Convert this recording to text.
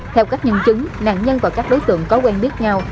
theo các nhân chứng nạn nhân và các đối tượng có quen biết nhau